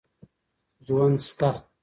ژوند سته.